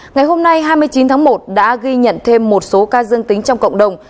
ngày hôm nay hai mươi chín tháng một đã ghi nhận thêm một số ca dương tính trong cộng đồng